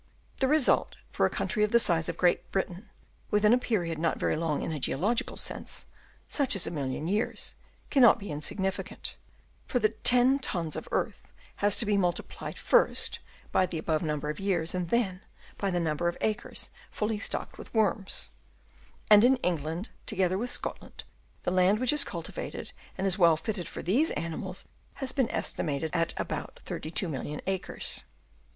The result for a country of the size of Great Britain, within a period not very long in a geological sense, such as a million years, cannot be insignificant ; for the ten tons of earth has to be multiplied first by the above number of years, and then by the number of acres fully stocked with worms; and in England, together with Scotland, the land which is cultivated and is well fitted for these animals, has been estimated at above 32 million acres.